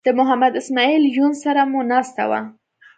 د محمد اسماعیل یون سره مو ناسته وه.